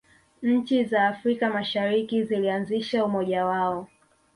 nchi za afrika mashariki zilianzisha umoja wao